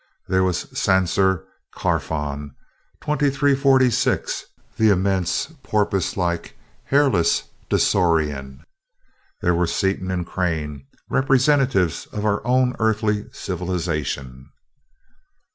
There was Sacner Carfon Twenty Three Forty Six, the immense, porpoise like, hairless Dasorian. There were Seaton and Crane, representatives of our own Earthly civilization.